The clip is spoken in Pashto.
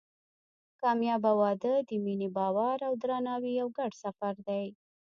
کامیابه واده د مینې، باور او درناوي یو ګډ سفر دی.